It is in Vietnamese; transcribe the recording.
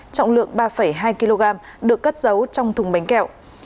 trọng lượng ba hai kg được cất giấu trong thùng bánh kẹo